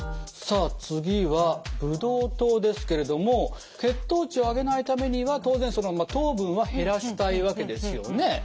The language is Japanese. さあ次はブドウ糖ですけれども血糖値を上げないためには当然糖分は減らしたいわけですよね。